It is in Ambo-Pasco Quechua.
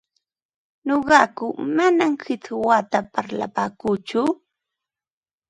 Nuqaku manam qichwata parlapaakuuchu,